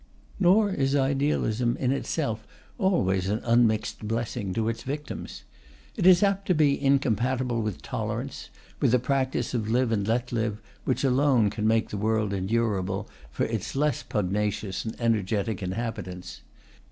Nor is idealism in itself always an unmixed blessing to its victims. It is apt to be incompatible with tolerance, with the practice of live and let live, which alone can make the world endurable for its less pugnacious and energetic inhabitants.